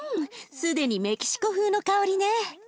既にメキシコ風の香りね。